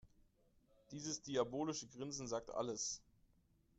Dieses diabolische Grinsen sagt alles.